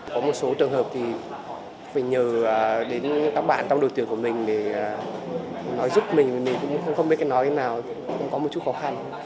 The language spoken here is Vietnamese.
có một số trường hợp thì mình nhờ đến các bạn trong đội tuyển của mình để nói giúp mình mình cũng không biết cái nói thế nào cũng có một chút khó khăn